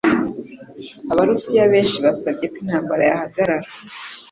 Abarusiya benshi basabye ko intambara yahagarara.